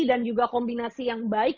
dan juga kombinasi yang baik